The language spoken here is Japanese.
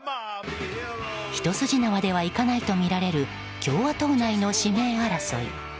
一筋縄ではいかないとみられる共和党内の指名争い。